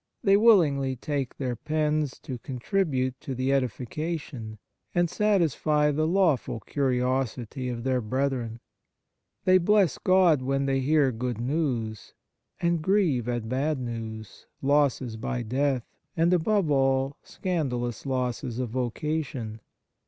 They willingly take their pens to contribute to the edifica tion and satisfy the lawful curiosity of their brethren. They bless God when they hear good news, and grieve at bad news, losses by death, and, above all, scandalous losses of vocation.